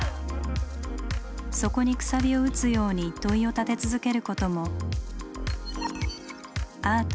そこにくさびを打つように問いを立て続けることもアートの力。